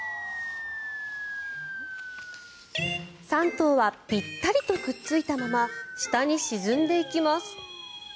３頭はぴったりとくっついたまま下に沈んでいきます。